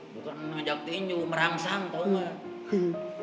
bukan ngajak tinju merangsang tau gak ya